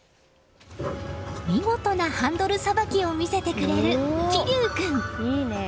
見事なハンドルさばきを見せてくれる喜生君。